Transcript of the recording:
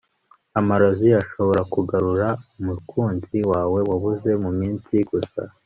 amarozi ashobora kugarura umukunzi wawe wabuze muminsi gusa